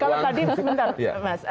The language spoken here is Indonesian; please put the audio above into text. kalau tadi sebentar mas